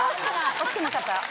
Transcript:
惜しくなかった？